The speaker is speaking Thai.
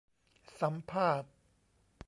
สัมภาษณ์